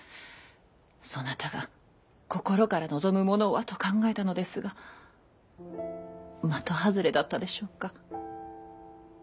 そなたが心から望むものはと考えたのですが的外れだったでしょうか？